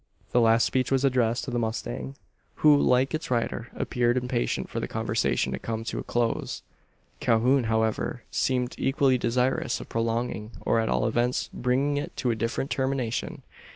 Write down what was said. The last speech was addressed to the mustang, who, like its rider, appeared impatient for the conversation to come to a close. Calhoun, however, seemed equally desirous of prolonging, or, at all events, bringing it to a different termination.